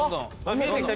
見えてきた？